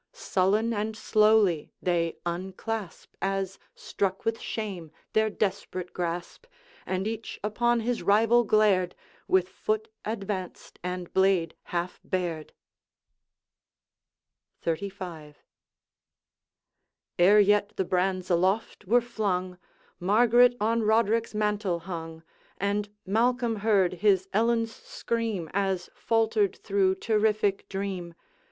Sullen and slowly they unclasp, As struck with shame, their desperate grasp, And each upon his rival glared, With foot advanced and blade half bared. XXXV. Ere yet the brands aloft were flung, Margaret on Roderick's mantle hung, And Malcolm heard his Ellen's scream, As faltered through terrific dream.